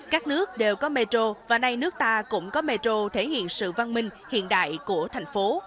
các nước đều có metro và nay nước ta cũng có metro thể hiện sự văn minh hiện đại của thành phố